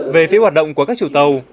về phía hoạt động của các chủ tàu